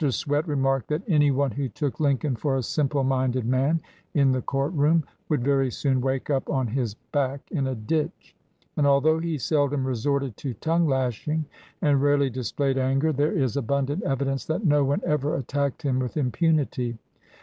Swett remarked that "any one who took Lincoln for a simple minded man [in the court room] would very soon wake up on his back in a ditch" ; and although he seldom resorted to tongue lashing, and rarely displayed anger, there is abundant evidence that no one ever attacked him with impunity.